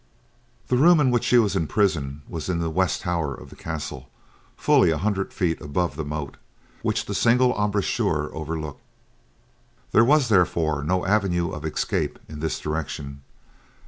The room in which she was imprisoned was in the west tower of the castle, fully a hundred feet above the moat, which the single embrasure overlooked. There was, therefore, no avenue of escape in this direction.